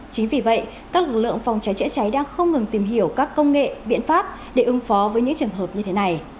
chính vì vậy các lực lượng phòng cháy chữa cháy đang không ngừng tìm hiểu các công nghệ biện pháp để ứng phó với những trường hợp như thế này